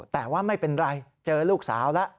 แต่ว่าไม่เป็นไรเจอลูกสาวแล้ว